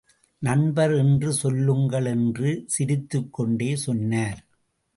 நண்பர் என்று சொல்லுங்கள் என்று சிரித்துக் கொண்டே சொன்னார்.